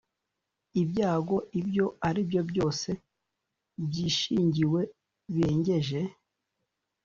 Ibyago ibyo ari byo byose byishingiwe birengeje